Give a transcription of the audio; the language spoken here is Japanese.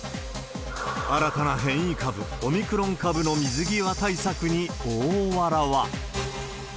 新たな変異株、オミクロン株の水際対策に大わらわ。